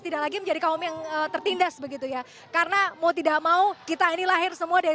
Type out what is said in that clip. tidak lagi menjadi kaum yang tertindas begitu ya karena mau tidak mau kita ini lahir semua dari